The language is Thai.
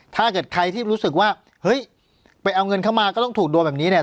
ถ้าเกิดใครที่รู้สึกว่าเฮ้ยไปเอาเงินเข้ามาก็ต้องถูกโดนแบบนี้เนี่ย